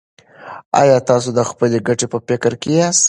ایا تاسو د خپلې ګټې په فکر کې یاست.